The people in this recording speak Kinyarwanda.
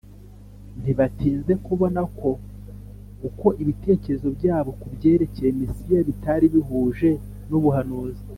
Ntibatinze kubona ko uko ibitekerezo byabo ku byerekeye Mesiya bitari bihuje n’ubuhanuzi;